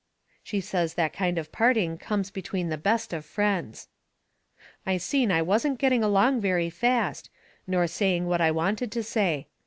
She says that kind of parting comes between the best of friends. I seen I wasn't getting along very fast, nor saying what I wanted to say.